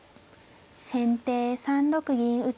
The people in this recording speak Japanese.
先手３六銀打。